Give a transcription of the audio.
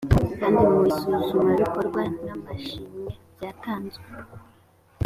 kandi mu isuzumabikorwa n amashimwe byatanzwe